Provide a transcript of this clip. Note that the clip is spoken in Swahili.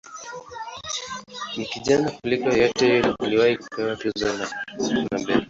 Ni kijana kuliko yeyote yule aliyewahi kupewa tuzo ya Nobel.